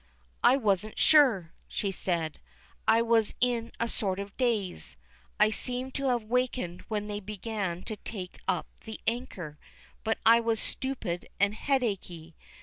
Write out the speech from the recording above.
"I wasn't sure," she said. "I was in a sort of daze: I seemed to have awakened when they began to take up the anchor, but I was stupid and headachy.